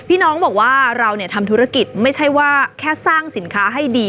น้องบอกว่าเราทำธุรกิจไม่ใช่ว่าแค่สร้างสินค้าให้ดี